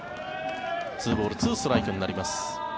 ２ボール２ストライクになります。